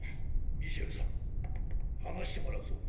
ミシェルさん話してもらうぞ。